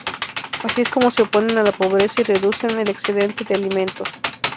Así es como se oponen a la pobreza y reducen el excedente de alimentos.